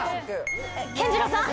健二郎さん